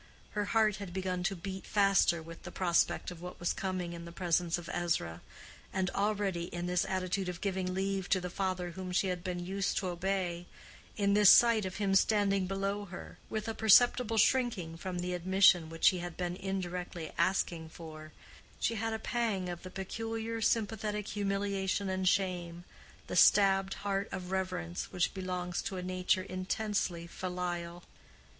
Her heart had begun to beat faster with the prospect of what was coming in the presence of Ezra; and already in this attitude of giving leave to the father whom she had been used to obey—in this sight of him standing below her, with a perceptible shrinking from the admission which he had been indirectly asking for, she had a pang of the peculiar, sympathetic humiliation and shame—the stabbed heart of reverence—which belongs to a nature intensely filial.